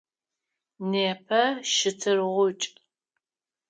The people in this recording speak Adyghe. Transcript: Непэ щтыргъукӏ.